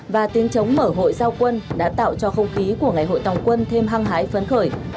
và tiếng chống mở hội giao quân đã tạo cho không khí của ngày hội tòng quân thêm hăng hái phấn khởi